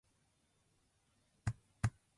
メロスには父も、母も無い。